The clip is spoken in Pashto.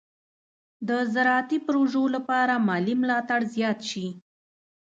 د زراعتي پروژو لپاره مالي ملاتړ زیات شي.